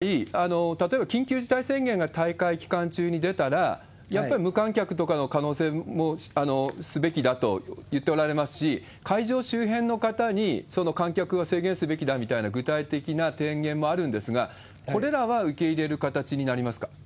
そうした対応をどうするかと、こんなことも議論をさせていただき副会長、これ、今回、例えば緊急事態宣言が大会期間中に出たら、やっぱり無観客とかの可能性もすべきだと言っておられますし、会場周辺の方に、その観客を制限すべきだみたいな具体的な提言もあるんですが、これらは受け入れる形になりますか？